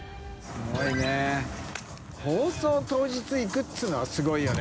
垢瓦い放送当日行くっていうのがすごいよね。